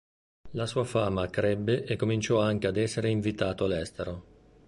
La sua fama crebbe e cominciò anche ad essere invitato all'estero.